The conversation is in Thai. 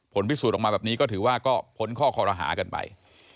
ผลพิสูจน์ออกมาแบบนี้ก็ถือว่าก็พ้นข้อคอรหากันไป